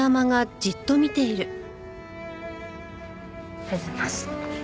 おはようございます。